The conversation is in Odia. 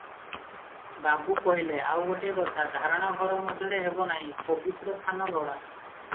ବାବୁ କହିଲେ – ଆଉ ଗୋଟାଏ କଥା, ଧାରଣା ଘର ମଧ୍ୟରେ ହେବ ନାହିଁ, ପବିତ୍ର ଥାନ ଲୋଡ଼ା ।